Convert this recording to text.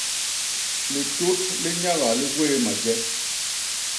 Litut li nyaga li gwéé maje.